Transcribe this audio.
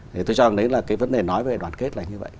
thì tôi cho rằng đấy là cái vấn đề nói về đoàn kết là như vậy